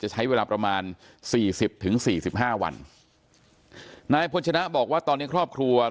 จะใช้เวลาประมาณ๔๐ถึง๔๕วันนายพลชนะบอกว่าตอนนี้ครอบครัว